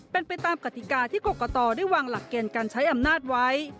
เป็นไปตามกติกาที่กรกตได้วางหลักเกณฑ์การใช้อำนาจไว้